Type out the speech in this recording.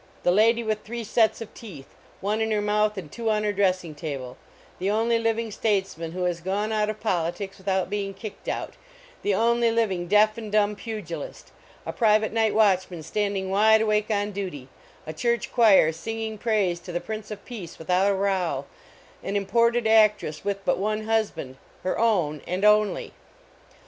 The lady with three sets of teeth, one in her mouth and two on her dressing table ; the only Living Statesman who has gone out of politics without being kicked out ; the only living deaf and dumb pugilist ; a private night watchman standing wide awake on duty ; a church choir singing praise to the Prince of Peace without a row ; an imported actress with but one husband her own and only.